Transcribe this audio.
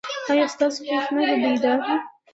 ایا ستاسو قسمت به بیدار وي؟